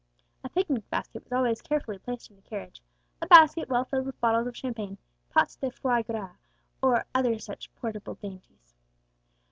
A picnic basket was always carefully placed in the carriage, a basket well filled with bottles of champagne, pâtés de foie gras, or other such portable dainties.